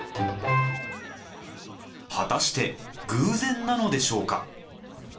果たして偶然なのでしょうか。